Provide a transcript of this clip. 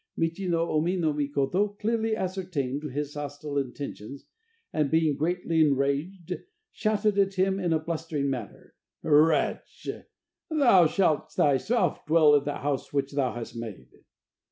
Michi no Omi no Mikoto clearly ascertained his hostile intentions, and being greatly enraged, shouted at him in a blustering manner: "Wretch! thou shalt thyself dwell in the house which thou hast: made."